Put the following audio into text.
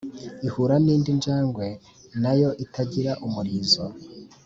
ihura n’indi njangwe na yo itagira umurizo